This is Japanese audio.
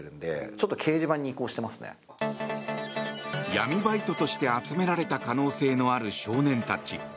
闇バイトとして集められた可能性のある少年たち。